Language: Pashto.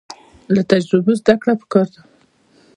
له تجربو زده کړه پکار ده